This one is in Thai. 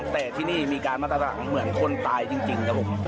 แต่ที่นี่มีการมาตรฐานเหมือนคนตายจริงครับผม